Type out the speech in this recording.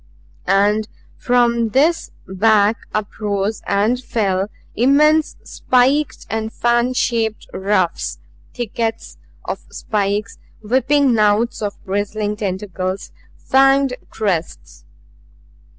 And from this back uprose and fell immense spiked and fan shaped ruffs, thickets of spikes, whipping knouts of bristling tentacles, fanged crests.